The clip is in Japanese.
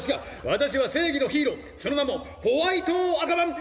私は正義のヒーローその名もホワイト赤マン！